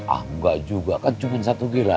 ah enggak juga kan cuma satu gila